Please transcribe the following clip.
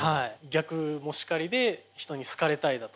逆もしかりで人に好かれたいだとか。